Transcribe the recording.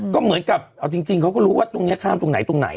ก็เหมือนกับเอาจริงเขาก็รู้ว่าตรงนี้ข้ามตรงไหนตรงไหน